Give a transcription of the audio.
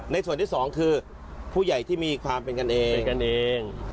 ส่วนที่สองคือผู้ใหญ่ที่มีความเป็นกันเองกันเอง